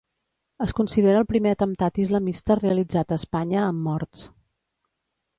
Es considera el primer atemptat islamista realitzat a Espanya amb morts.